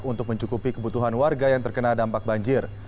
untuk mencukupi kebutuhan warga yang terkena dampak banjir